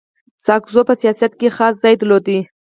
ساکزو په سیاست کي خاص ځای درلود.